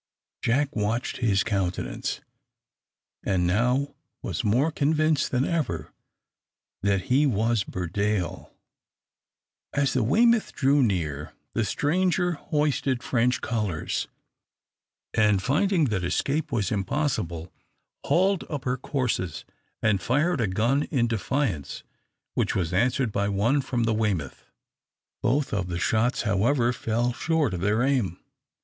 Jack watched his countenance, and now was more convinced than ever that he was Burdale. As the "Weymouth" drew near, the stranger hoisted French colours, and finding that escape was impossible, hauled up her courses, and fired a gun in defiance, which was answered by one from the "Weymouth." Both of the shots, however, fell short of their aim.